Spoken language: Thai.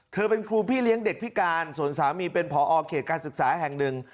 เธอเป็นครูพี่เลี้ยงเด็กพิการส่วนสามีเป็นผอเขตการศึกษาแห่งหนึ่ง